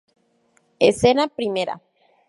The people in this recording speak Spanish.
Escena Primera.